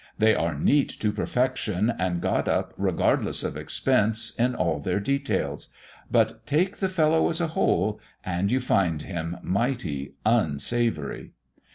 They are neat to perfection, and got up regardless of expense in all their details; but take the fellow as a whole, and you find him mighty unsavoury.